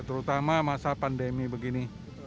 terutama masa pandemi begini